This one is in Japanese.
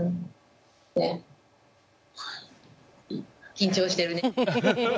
緊張してるね。